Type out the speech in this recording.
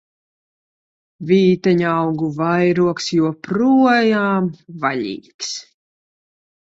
Vīteņaugu vairogs joprojām vaļīgs!